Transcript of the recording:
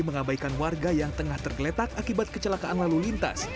mengabaikan warga yang tengah tergeletak akibat kecelakaan lalu lintas